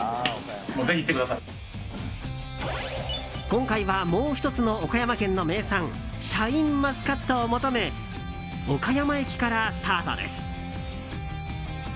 今回はもう１つの岡山県の名産シャインマスカットを求め岡山駅からスタートです。